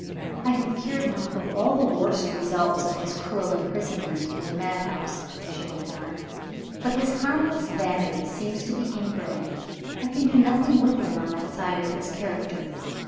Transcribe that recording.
"I have cured him of all the worst results of his cruel imprisonment in the mad house," she went on. "But his harmless vanity seems to be inbred; I can do nothing with him on that side of his character.